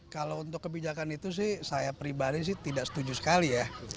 kalau untuk kebijakan itu sih saya pribadi sih tidak setuju sekali ya